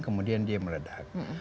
kemudian dia meledak